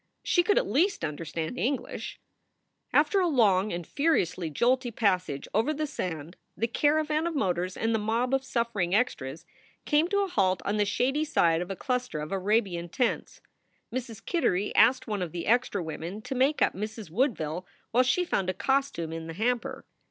She could at least understand English. After a long and furiously jolty passage over the sand the caravan of motors and the mob of suffering extras came to a halt on the shady side of a cluster of Arabian tents. Mrs. Kittery asked one of the extra women to make up Mrs. Woodville while she found a costume in the hamper.